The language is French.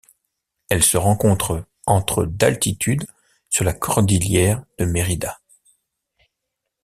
Elle se rencontre entre d'altitude sur la cordillère de Mérida.